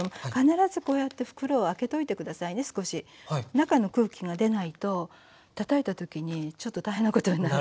中の空気が出ないとたたいたときにちょっと大変なことになるので。